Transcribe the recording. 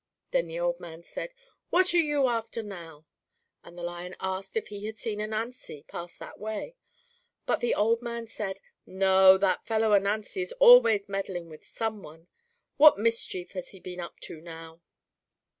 Then the old man said, "What are you after now?" and the Lion asked if he had seen Ananzi pass that way, but the old man said, "No, that fellow Ananzi is always meddling with some one; what mischief has he been up to now?"